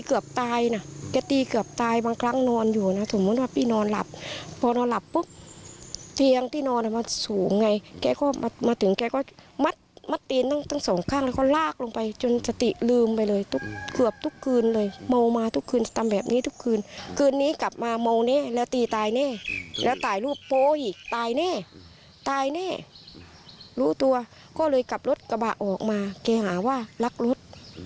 เคยกลับรถกระบะออกมาเกลียงหาว่าลักรถ